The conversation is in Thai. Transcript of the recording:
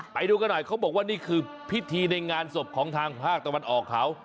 ไปดูกันหน่อยเขาบอกว่านี่คือพิธีในงานศพของทางภาคตะวันออกเขา